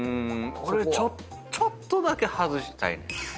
俺ちょっとだけ外したいねんな。